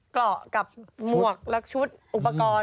กับหมวกหลักชุดอุปกรณ์